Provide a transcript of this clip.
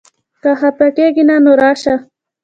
که خپه کېږې نه؛ نو راشه!